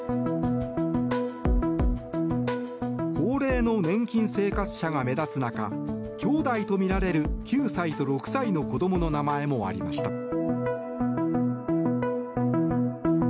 高齢の年金生活者が目立つ中きょうだいとみられる９歳と６歳の子供の名前もありました。